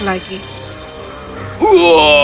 dan tidak pernah terlihat lagi